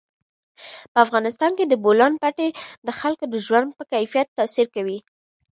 په افغانستان کې د بولان پټي د خلکو د ژوند په کیفیت تاثیر کوي.